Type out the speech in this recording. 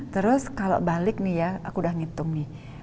terus kalau balik nih ya aku udah ngitung nih